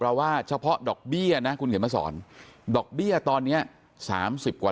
ว่าเฉพาะดอกเบี้ยนะคุณเขียนมาสอนดอกเบี้ยตอนนี้๓๐กว่า